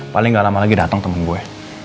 paling gak lama lagi datang temen gue